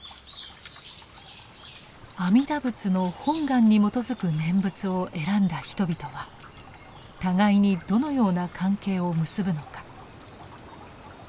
阿弥陀仏の本願に基づく念仏をえらんだ人々は互いにどのような関係を結ぶのか。